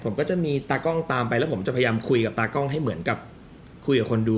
ผมก็จะมีตากล้องตามไปแล้วผมจะพยายามคุยกับตากล้องให้เหมือนกับคุยกับคนดู